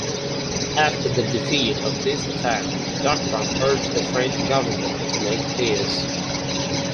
After the defeat of this attack, Ducrot urged the French government to make peace.